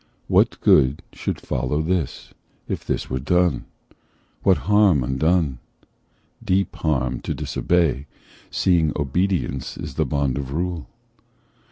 What good should follow this, if this were done? What harm, undone? Deep harm to disobey, Seeing obedience is the bond of rule.